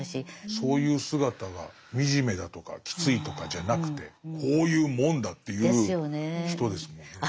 そういう姿が惨めだとかきついとかじゃなくてこういうもんだっていう人ですもんね。ですよね。